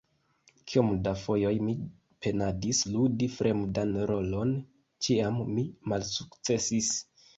Kiom da fojoj mi penadis ludi fremdan rolon, ĉiam mi malsukcesis.